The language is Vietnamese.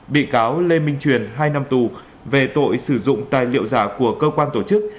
bị cáo lê minh truyền hai năm tù về tội sử dụng tài liệu giả của cơ quan tổ chức